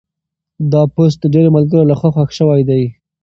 دا پوسټ د ډېرو ملګرو لخوا خوښ شوی دی.